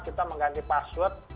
kita mengganti password